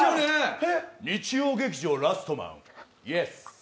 日曜劇場「ラストマン」イエス！